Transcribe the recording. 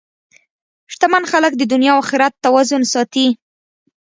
شتمن خلک د دنیا او اخرت توازن ساتي.